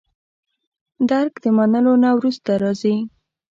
درک د منلو نه وروسته راځي.